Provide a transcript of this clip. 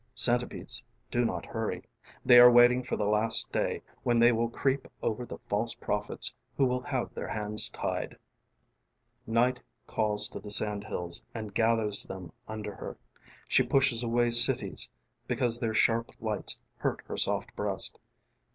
┬Ā┬ĀCentipedes ┬Ā┬Ādo not hurry. ┬Ā┬ĀThey are waiting for the last day ┬Ā┬Āwhen they will creep over the false prophets ┬Ā┬Āwho will have their hands tied. :: Night calls to the sandhills and gathers them under her. she pushes away cities because their sharp lights hurt her soft breast.